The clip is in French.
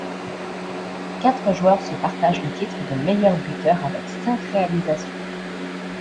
Quatre joueurs se partagent le titre de meilleur buteur avec cinq réalisations.